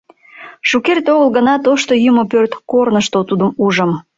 — Шукерте огыл гына тошто йӱмӧ пӧрт корнышто тудым ужым.